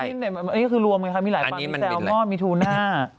อันนี้มันหรือมัยฮะว่ามีแซวพอร์ตมีทูนา